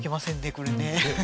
これね。